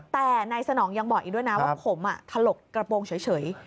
แต่นายสนองยังบอกอีกด้วยนะว่าผมถลกกระโปรงเฉย